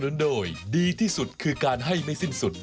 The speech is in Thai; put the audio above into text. สนับสนุนโดยดีที่สุดคือการให้ไม่สิ้นสุด